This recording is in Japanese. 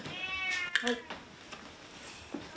はい。